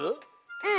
うん。